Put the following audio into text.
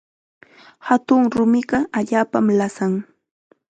Hatun rumiqa allaapam lasan.